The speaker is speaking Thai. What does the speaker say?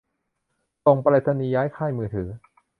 ส่งไปรษณีย์ ย้ายค่ายมือถือ